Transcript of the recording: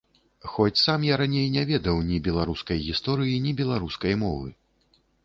Хоць сам я раней не ведаў ні беларускай гісторыі, ні беларускай мовы.